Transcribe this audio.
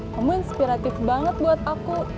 kamu inspiratif banget buat aku